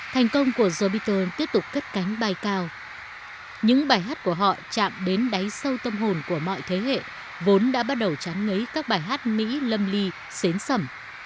thành công của the beatles tiếp tục cất cánh bay cao những bài hát của họ chạm đến đáy sâu tâm hồn của mọi thế hệ vốn đã bắt đầu trán ngấy các bài hát mỹ lâm ly xến xẩm